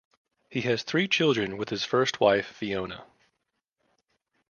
He has three children with his first wife Fiona.